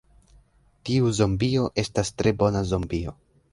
Tiu zombio estas tre bona zombio.